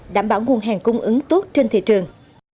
đảm bảo nguồn hàng cung ứng tốt trên thị trường